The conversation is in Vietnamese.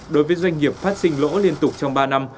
đối với doanh nghiệp phát sinh lỗ liên tục trong ba năm